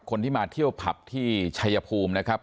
คนที่มาเที่ยวผับที่ชัยภูมินะครับ